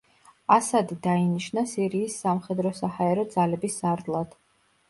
ასადი დაინიშნა სირიის სამხედრო-საჰაერო ძალების სარდლად.